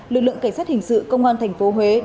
lực lượng cảnh sát hình sự công an tp huế